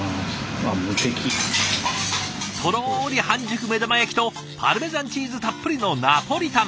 とろり半熟目玉焼きとパルメザンチーズたっぷりのナポリタン。